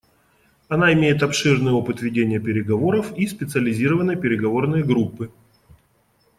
Она имеет обширный опыт ведения переговоров и специализированные переговорные группы.